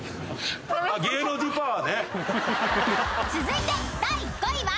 ［続いて第５位は］